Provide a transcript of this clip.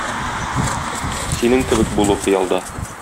Синең кебек булу хыялда.